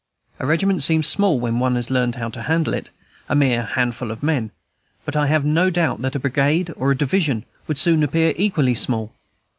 A regiment seems small when one has learned how to handle it, a mere handful of men; and I have no doubt that a brigade or a division would soon appear equally small.